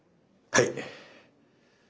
はい。